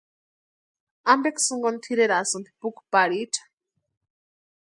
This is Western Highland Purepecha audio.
¿Ampeksï jinkoni tʼireranhasïni puki pariecha?